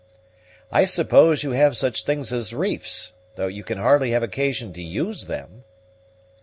"I suppose you have such things as reefs, though you can hardly have occasion to use them?"